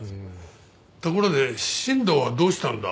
ところで新藤はどうしたんだ？